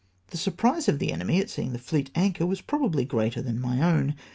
The surprise of the enemy at seeing the fleet anchor was probably greater than my own.